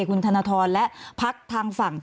คุณธนทรและพักทางฝั่ง